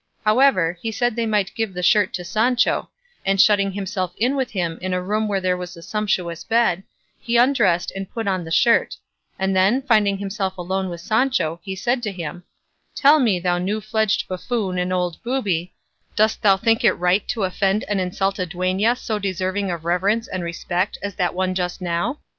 However, he said they might give the shirt to Sancho; and shutting himself in with him in a room where there was a sumptuous bed, he undressed and put on the shirt; and then, finding himself alone with Sancho, he said to him, "Tell me, thou new fledged buffoon and old booby, dost thou think it right to offend and insult a duenna so deserving of reverence and respect as that one just now?